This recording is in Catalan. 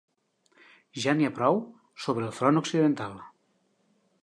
Ja n'hi ha prou sobre el front occidental.